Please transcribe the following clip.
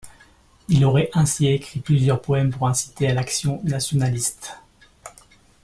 Il aurait ainsi écrit plusieurs poèmes pour inciter à l'action nationaliste.